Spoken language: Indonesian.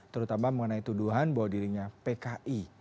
terutama mengenai tuduhan bahwa dirinya pki